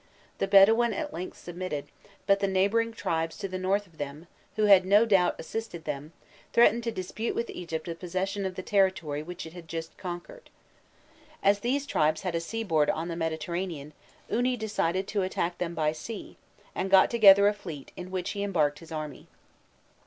The Bedouin at length submitted, but the neighbouring tribes to the north of them, who had no doubt assisted them, threatened to dispute with Egypt the possession of the territory which it had just conquered. As these tribes had a seaboard on the Mediterranean, Uni decided to attack them by sea, and got together a fleet in which he embarked his army.